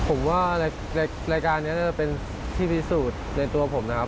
ผมว่ารายการนี้จะเป็นที่พิสูจน์ในตัวผมนะครับ